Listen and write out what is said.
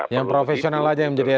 yang profesional aja yang menjadi sd ya